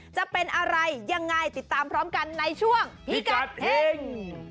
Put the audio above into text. จะเป็นอะไรยังไงติดตามพร้อมกันในช่วงพิกัดเฮ่ง